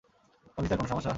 Officer, কোনো সমস্যা?